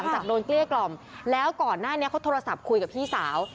จากโดนเกลี้ยกล่อมแล้วก่อนหน้านี้เขาโทรศัพท์คุยกับพี่สาว